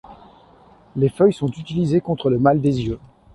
Les feuilles sont utilisées contre le mal des yeux.